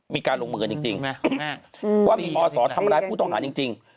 มีการลงเมืองจริงจริงนะว่ามีออสรทำร้ายผู้ต้องหารจริงจริง